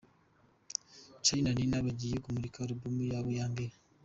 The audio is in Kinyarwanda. Charly na Nina bagiye kumurika album yabo ya mbere.